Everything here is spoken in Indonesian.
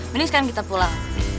mending sekarang kita pulang